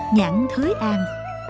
nhãn thứ an